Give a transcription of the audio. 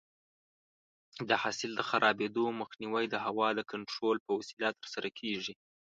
د حاصل د خرابېدو مخنیوی د هوا د کنټرول په وسیله ترسره کېږي.